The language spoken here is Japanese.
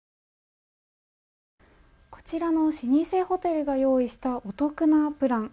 こちらの老舗ホテルが用意したお得なプラン